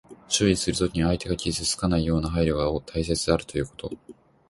注意するときに、相手を傷つけないような配慮が大切であるということ。